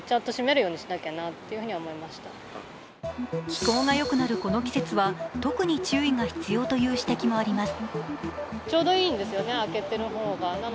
気候がよくなるこの季節は特に注意が必要という指摘もあります。